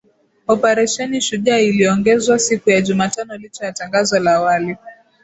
Oparesheni Shujaa iliongezwa siku ya Jumatano licha ya tangazo la awali